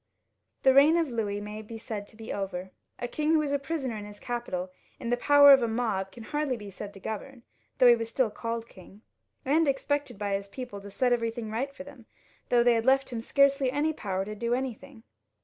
The reign of Louis may be said to be over. A king who is a prisoner in his capital in the power of a mob can hardly be said to govern, though he was still called king. 390 LOUIS XVL [ch. and still expected by his people to set eveiything right for them, though they had left him scarcely any power to do anything.